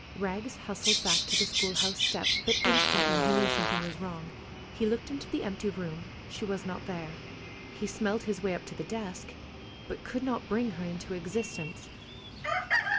Rags hustled back to the school house steps, but instantly he knew something was wrong. He looked into the empty room. She was not there. He smelled his way up to the desk, but could not bring her into existence.